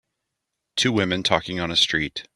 Two women talking on a street.